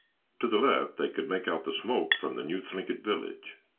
To the left they could make out the smoke from the new Thlinkit village.